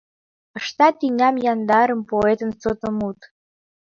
Ышта тӱням яндарым Поэтын сото мут.